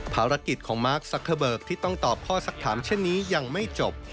ภารกิจของมาร์คซักเกอร์เบิกที่ต้องตอบข้อสักถามเช่นนี้ยังไม่จบ